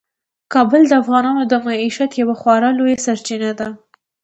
کابل د افغانانو د معیشت یوه خورا لویه سرچینه ده.